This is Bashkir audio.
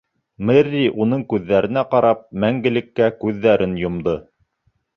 Мерри, уның күҙҙәренә ҡарап, мәңгелеккә күҙҙәрен йомдо.